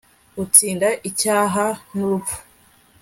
utsinda icyaha n'urupfu